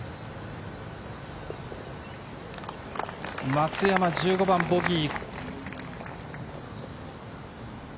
松山１５番ボギー。